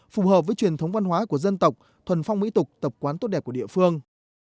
phù hợp với truyền thống văn hóa của dân tộc thuần phong mỹ tục tập quán tốt đẹp của địa phương